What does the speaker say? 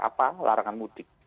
apa larangan mudik